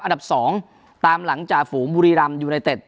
อันดับ๒ตามหลังจากฝูงบุรีรำยูไนเต็ด